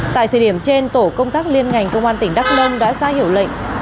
tại thời điểm trên tổ công tác liên ngành công an tỉnh đắc nông đã ra hiểu lệnh